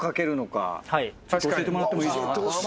教えてもらってもいいですか？